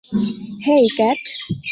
হেই, cat?